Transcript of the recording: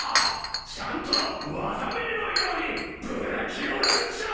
ちゃんと技名のようにブラキオランチャーと。